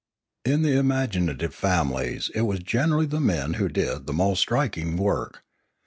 In the imaginative families it was generally the men who did the most striking work.